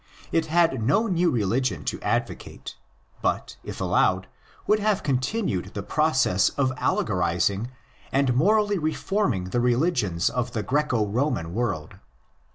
Tt had no new religion to advocate; but, if allowed, would have continued the process of allegorising and morally reforming the religions of the Greco Roman world.